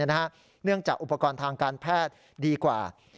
เนื่องจากอุปกรณ์ทางการแพทย์ดีกว่า